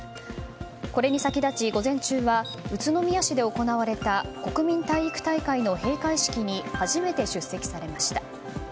これに先立ち午前中は宇都宮市で行われた国民体育大会の閉会式に初めて出席されました。